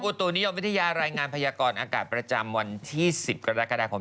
ตุนิยมวิทยารายงานพยากรอากาศประจำวันที่๑๐กรกฎาคม